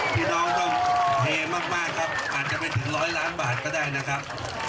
พี่น้องเข้มากครับอาจจะไปถึง๑๐๐ล้านบาทก็ได้นะครับ